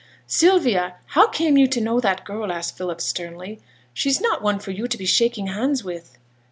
'Sylvia, how came you to know that girl?' asked Philip, sternly. 'She's not one for you to be shaking hands with.